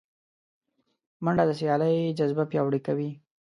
منډه د سیالۍ جذبه پیاوړې کوي